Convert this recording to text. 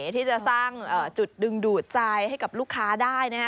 ที่จะสร้างจุดดึงดูดใจให้กับลูกค้าได้